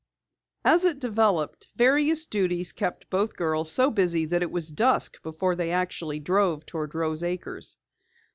As it developed, various duties kept both girls so busy that it was dusk before they actually drove toward Rose Acres.